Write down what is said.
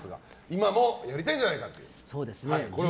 今もやりたいんじゃないかと。